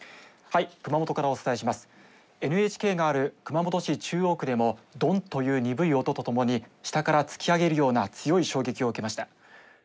ＮＨＫのある熊本市中央区でもドンという鈍い音とともに下から突き上げるような強い衝撃を受けました。